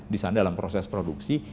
di sana dalam proses produksi